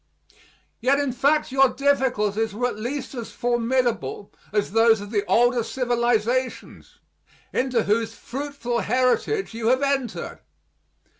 Yet in fact your difficulties were at least as formidable as those of the older civilizations into whose fruitful heritage you have entered.